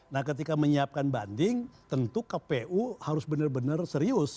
nah ketika menyiapkan banding tentu kpu harus benar benar serius